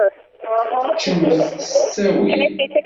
Ččemt s ttawil.